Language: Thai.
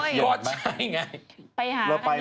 ไปหาคุณใหญ่